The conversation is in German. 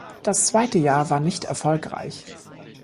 Das zweite Jahr war nicht erfolgreich.